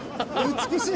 美しい！